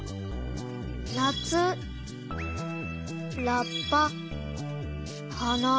なつラッパはな。